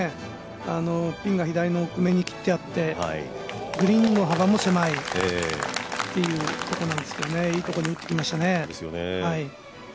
ピンが左の奥目に切ってあってグリーンの幅も狭いっていうところなんですけどいいところに打ってきましたね。